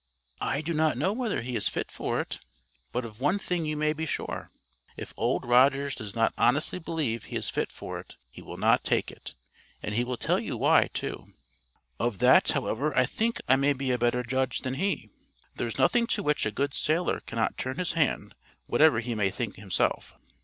"I do not know whether he is fit for it. But of one thing you may be sure—if Old Rogers does not honestly believe he is fit for it, he will not take it. And he will tell you why, too." "Of that, however, I think I may be a better judge than he. There is nothing to which a good sailor cannot turn his hand, whatever he may think himself.